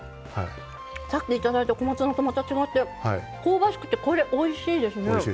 さっきいただいた小松菜と、また違って香ばしくて、おいしいですね。